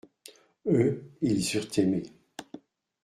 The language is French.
Eux, ils eurent aimé.